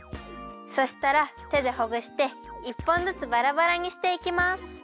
そしたらてでほぐして１ぽんずつバラバラにしていきます。